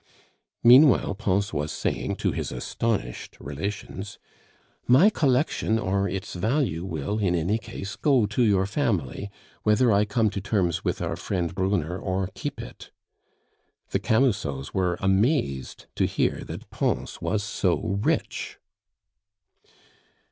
Meanwhile Pons was saying to his astonished relations, "My collection or its value will, in any case, go to your family, whether I come to terms with our friend Brunner or keep it." The Camusots were amazed to hear that Pons was so rich.